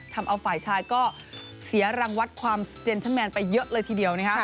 ทำเอาฝ่ายชายก็เสียรังวัดความเจนเทอร์แมนไปเยอะเลยทีเดียว